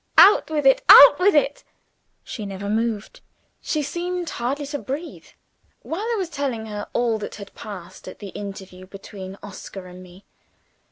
Out with it! out with it!" She never moved she seemed hardly to breathe while I was telling her all that had passed at the interview between Oscar and me.